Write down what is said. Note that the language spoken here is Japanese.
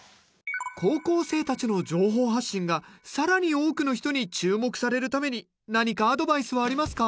高校生たちの情報発信が更に多くの人に注目されるために何かアドバイスはありますか？